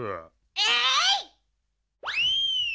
えい！